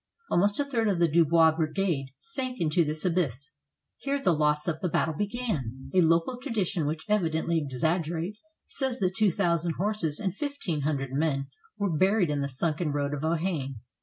Almost a third of the Dubois' brigade sank into this abyss. Here the loss of the battle began. A local tradition, which evidently exaggerates, says that two thousand horses and fifteen hundred men were buried in the sunken road of Ohain.